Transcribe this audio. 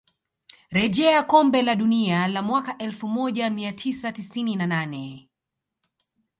rejea kombe la dunia la mwaka elfu moja mia tisa tisini na nane